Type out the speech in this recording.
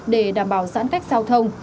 để đảm bảo giãn cách giao thông